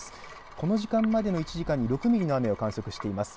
この時間までの１時間に６ミリの雨を観測しています。